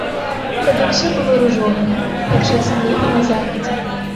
Тады ўсё было ружовае, як часам неба на захадзе.